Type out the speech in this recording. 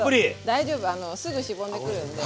大丈夫すぐしぼんでくるんで。